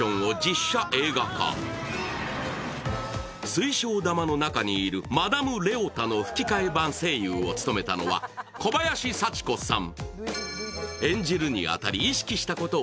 水晶玉の中にいるマダム・レオタの吹き替え版声優を務めたのは、小林幸子さん。